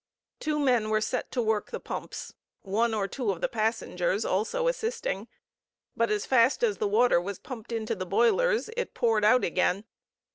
Two men were set to work the pumps, one or two of the passengers also assisting, but as fast as the water was pumped into the boilers it poured out again.